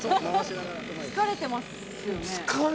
疲れてますよね。